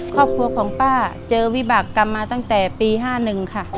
ครอบครัวของป้าเจอวิบากรรมมาตั้งแต่ปี๕๑ค่ะ